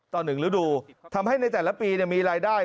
ต่อหนึ่งฤดูทำให้ในแต่ละปีเนี่ยมีรายได้